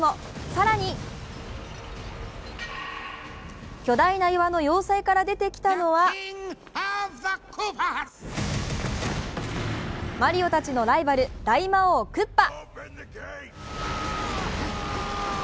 更に巨大な岩の要塞から出て来たのは、マリオたちのライバル、大魔王クッパ。